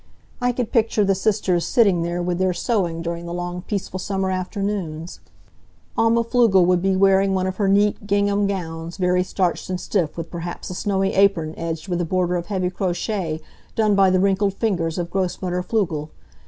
I could picture the sisters sitting there with their sewing during the long, peaceful summer afternoons. Alma Pflugel would be wearing one of her neat gingham gowns, very starched and stiff, with perhaps a snowy apron edged with a border of heavy crochet done by the wrinkled fingers of Grossmutter Pflugel.